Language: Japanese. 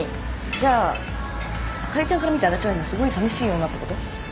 じゃああかりちゃんから見てわたしは今すごいさみしい女ってこと？